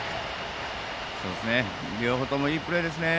両方ともいいプレーですね。